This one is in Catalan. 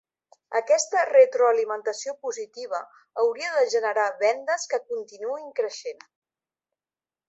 Aquesta retroalimentació positiva hauria de generar vendes que continuïn creixent.